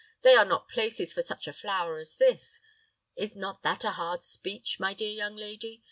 They are not places for such a flower as this. Is not that a hard speech, my dear young lady?